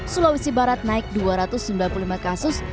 sulawesi barat naik dua ratus sembilan puluh lima kasus